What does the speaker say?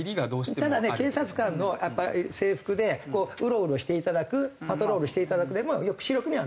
ただね警察官の制服でうろうろして頂くパトロールして頂くでも抑止力にはなる。